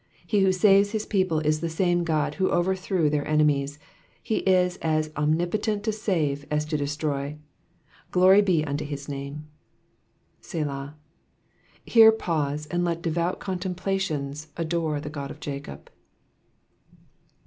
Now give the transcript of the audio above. He who saves his people is the same God who overthrew their enemies ; he is as omnipotent to save as to destroy. Glory be unto his name. ^"^Selah^ Here pause, and let devout contemplations adore the God of Jacob.